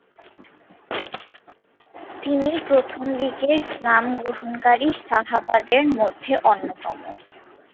তিনি প্রথম দিকের ইসলাম গ্রহণকারী সাহাবাদের মধ্যে অন্যতম।